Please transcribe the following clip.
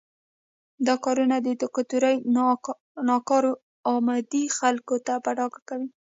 دا کارونه د دیکتاتورۍ ناکارآمدي خلکو ته په ډاګه کوي.